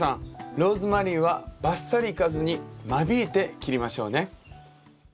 ローズマリーはバッサリいかずに間引いて切りましょうね。